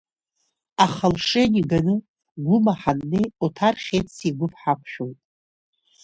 Ахалшени ганы Гәыма ҳаннеи Оҭар Хьециа игәыԥ ҳақәшәоит.